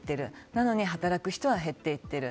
なのに働く人は減っていっている。